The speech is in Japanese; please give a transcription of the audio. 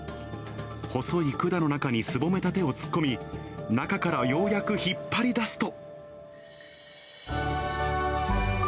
細い管の中にすぼめた手を突っ込み、中からようやく引っ張り出すと。